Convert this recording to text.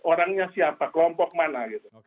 orangnya siapa kelompok mana